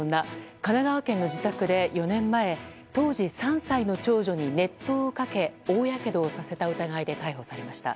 神奈川県の自宅で４年前当時３歳の長女に熱湯をかけ大やけどをさせた疑いで逮捕されました。